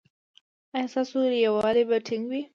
ایا ستاسو یووالي به ټینګ وي؟